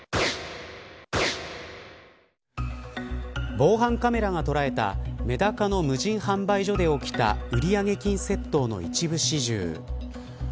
防犯カメラが捉えたメダカの無人販売所で起きた売上金窃盗の一部始終。